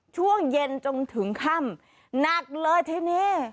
ช่วงเย็นจนถึงค่ำหนักเลยทีนี้